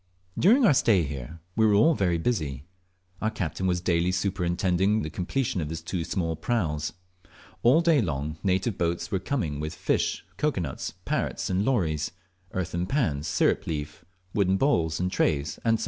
During our stay here we were all very busy. Our captain was daily superintending the completion of his two small praus. All day long native boats were coming with fish, cocoa nuts, parrots and lories, earthen pans, sirip leaf, wooden bowls, and trays, &c. &e.